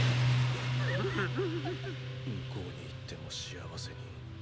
向こうに行っても幸せに。